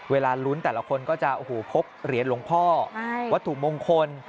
เวลาลุ้นแต่ละคนก็จะพกเหรียญหลวงพ่อวัตถุมงคล